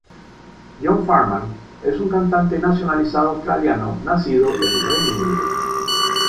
John Farnham es un cantante nacionalizado australiano nacido en el Reino Unido.